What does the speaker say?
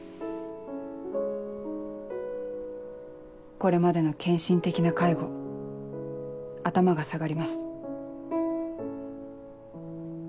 これまでの献身的な介護頭が下がります。